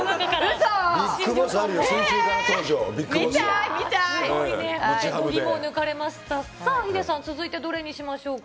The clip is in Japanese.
さあヒデさん、続いてどれにしましょうか？